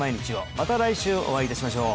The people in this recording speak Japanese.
また来週お会いいたしましょう